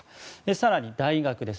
更に大学です。